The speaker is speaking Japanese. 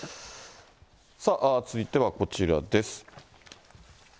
続いてはこちらです。